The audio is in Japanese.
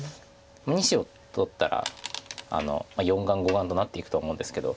２子を取ったら４眼５眼となっていくと思うんですけど。